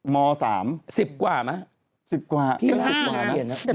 ม๓สิบกว่าไหมสิบกว่านะสิบห้าสิบห้าสิบห้าสิบห้า